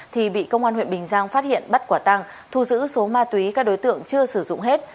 thì bị công an huyện bình giang phát hiện bắt quả tăng thu giữ số ma túy các đối tượng chưa sử dụng hết